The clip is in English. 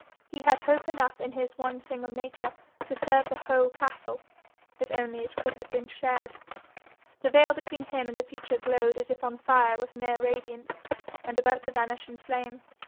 He had hope enough in his one single nature to serve the whole castle, if only it could have been shared. The veil between him and the future glowed as if on fire with mere radiance, and about to vanish in flame.